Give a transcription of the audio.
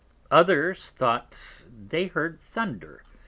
Others thought they heard it thunder.